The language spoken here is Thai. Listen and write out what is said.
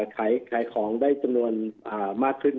ขายของได้จำนวนมากขึ้น